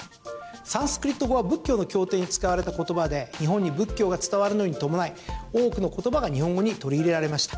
サンスクリット語は仏教の経典に使われた言葉で日本に仏教が伝わるのに伴い多くの言葉が日本語に取り入れられました。